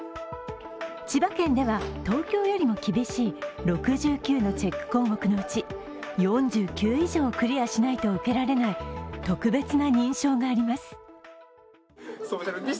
千葉県では、東京よりも厳しい６９のチェック項目のうち４９以上をクリアしないと受けられない特別な認証があります。